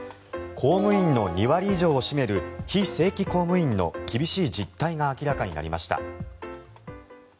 公務員の２割以上を占める非正規公務員の厳しい実態が明らかになりました。